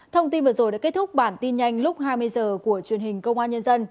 thông tin vừa rồi đã kết thúc bản tin nhanh lúc hai mươi h của truyền hình công an nhân dân